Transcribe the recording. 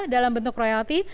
dalam bentuk royalti